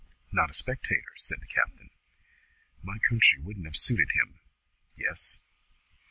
"Not a spectator," said the captain. "My country wouldn't have suited him. Yes?"